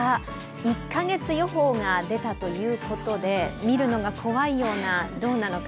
１か月予報が出たということで見るのが怖いような、どうなのか。